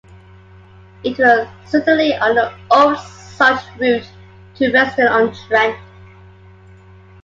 It was certainly on the old salt route to Weston-on-Trent.